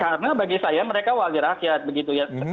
karena bagi saya mereka wali rakyat begitu ya